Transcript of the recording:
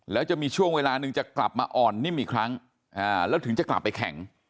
แล้วจะมีช่วงเวลาหนึ่งจะกลับมาอ่อนนิ่มอีกครั้งแล้วถึงจะกลับไปแข็ง